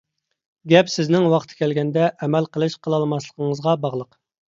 گەپ، سىزنىڭ ۋاقتى كەلگەندە ئەمەل قىلىش-قىلالماسلىقىڭىزغا باغلىق.